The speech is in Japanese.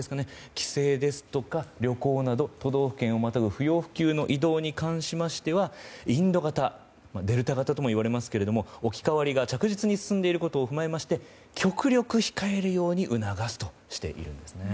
帰省ですとか旅行など、都道府県をまたぐ不要不急の移動に関しましてはインド型、デルタ型ともいわれますけれども置き換わりが着実に進んでいることを踏まえて極力控えるように促すとしているんです。